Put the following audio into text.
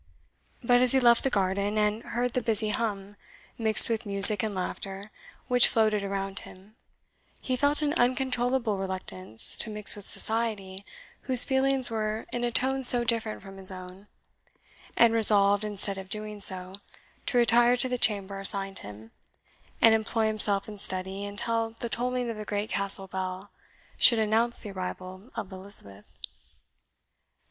But as he left the garden, and heard the busy hum, mixed with music and laughter, which floated around him, he felt an uncontrollable reluctance to mix with society whose feelings were in a tone so different from his own, and resolved, instead of doing so, to retire to the chamber assigned him, and employ himself in study until the tolling of the great Castle bell should announce the arrival of Elizabeth.